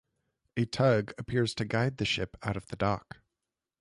A tug appears to guide the ship out of the dock.